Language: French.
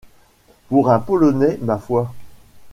Pour un Polonais, ma foi !...